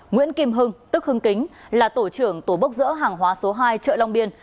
nguyễn kim hưng tức hưng kính là tổ trưởng tổ bốc dỡ hàng hóa số hai chợ long biên